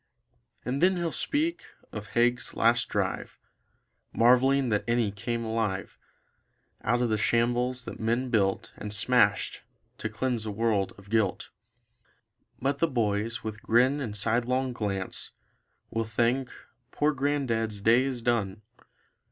And then he'll speak of Haig's last drive, Marvelling that any came alive Out of the shambles that men built And smashed, to cleanse the world of guilt. But the boys, with grin and sidelong glance, Will think, "Poor grandad's day is done."